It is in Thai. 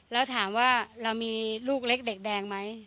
แล้วถามว่าเรามีลูกเล็กเด็กแดงไหม